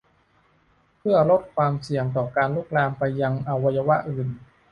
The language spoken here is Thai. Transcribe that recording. เพื่อลดความเสี่ยงต่อการลุกลามไปยังอวัยวะอื่น